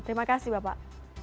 terima kasih bapak